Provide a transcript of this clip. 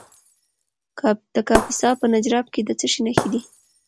د کاپیسا په نجراب کې د څه شي نښې دي؟